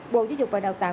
bộ giáo dục và đào tạo